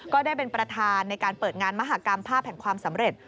ก็ได้เป็นประธานในการเปิดงานมหากรรมภาพแห่งความสำเร็จ